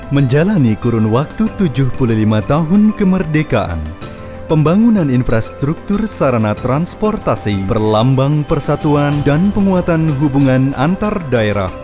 menjalani kurun waktu tujuh puluh lima tahun kemerdekaan pembangunan infrastruktur sarana transportasi berlambang persatuan dan penguatan hubungan antar daerah